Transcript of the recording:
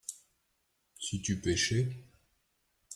si tu pêchais.